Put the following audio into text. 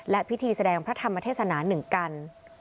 และพิธีแสดงพระธรรมธรรมเทศนา๑กัล